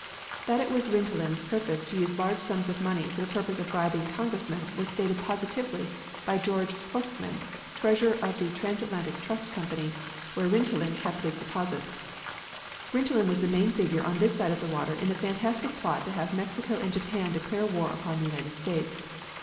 That it was Rintelen's purpose to use large sums of money for the purpose of bribing Congressmen was stated positively by George Plochman, treasurer of the Transatlantic Trust Company, where Rintelen kept his deposits. Rintelen was the main figure on this side of the water in the fantastic plot to have Mexico and Japan declare war upon the United States.